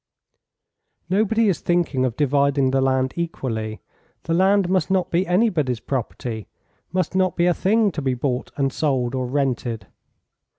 "Nobody is thinking of dividing the land equally. The land must not be anybody's property; must not be a thing to be bought and sold or rented."